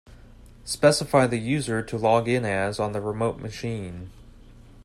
Specify the user to log in as on the remote machine.